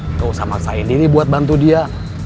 nggak usah maksain diri buat bantu dia